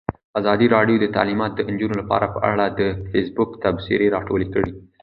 ازادي راډیو د تعلیمات د نجونو لپاره په اړه د فیسبوک تبصرې راټولې کړي.